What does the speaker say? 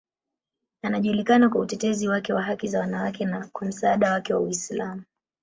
Anajulikana kwa utetezi wake wa haki za wanawake na kwa msaada wake wa Uislamu.